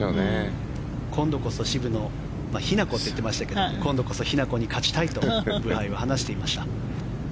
今度こそ渋野を日向子って言っていましたけど今度こそ日向子に勝ちたいとブハイは話していました。